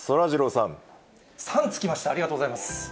さんつきました、ありがとうございます。